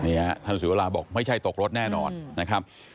ท่านศิวราบอกไม่ใช่ตกรถแน่นอนนะครับ